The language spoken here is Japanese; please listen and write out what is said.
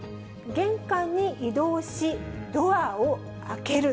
玄関に移動しドアを開ける。